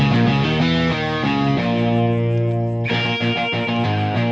dari mana kalian